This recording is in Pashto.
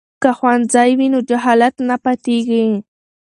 که ښوونځی وي نو جهالت نه پاتیږي.